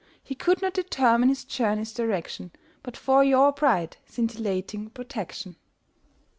He could not determine his journey's direction But for your bright scintillating protection.